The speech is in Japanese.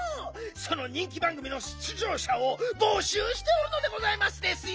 その人気ばんぐみの出じょうしゃをぼしゅうしておるのでございますですよ！